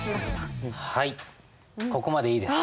ここまでいいです。